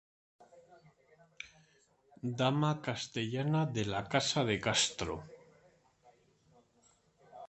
Dama castellana de la Casa de Castro.